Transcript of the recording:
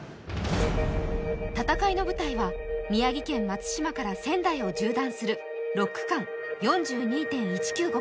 戦いの舞台は宮城県松島から仙台を縦断する６区間、４２．１９５